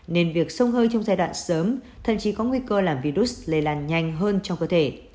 nên việc sông hơi trong giai đoạn sớm thậm chí có nguy cơ làm virus lây lan nhanh hơn trong cơ thể